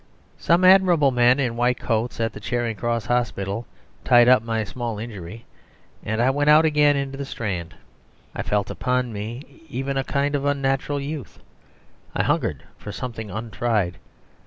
Some admirable men in white coats at the Charing Cross Hospital tied up my small injury, and I went out again into the Strand. I felt upon me even a kind of unnatural youth; I hungered for something untried.